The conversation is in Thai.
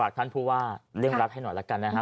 ท่านผู้ว่าเรื่องรักให้หน่อยแล้วกันนะฮะ